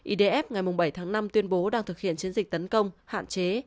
idf ngày bảy tháng năm tuyên bố đang thực hiện chiến dịch tấn công hạn chế